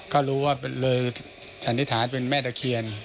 ก็รู้ว่าเลยสันนิษฐานเป็นแม่ตะเคียน